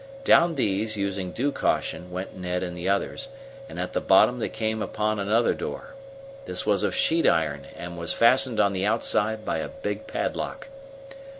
Down these, using due caution, went Ned and the others, and at the bottom they came upon another door. This was of sheet iron and was fastened on the outside by a big padlock.